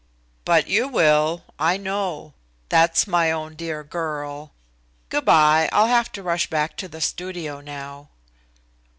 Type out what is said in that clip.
"But you will, I know; that's my own dear girl. Good by. I'll have to rush back to the studio now."